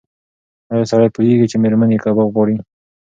ایا سړی پوهېږي چې مېرمن یې کباب غواړي؟